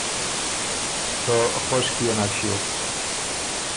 که خؤش کيې نک ݭیوک